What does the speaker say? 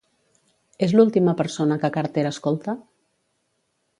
És l'última persona que Carter escolta?